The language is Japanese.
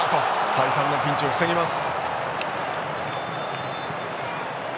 再三のピンチを防ぎます。